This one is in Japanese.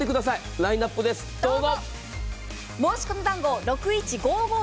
ラインナップです、どうぞ！